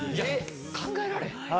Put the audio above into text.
考えられへん。